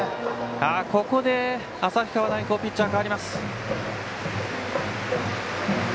ここで旭川大高ピッチャーが代わります。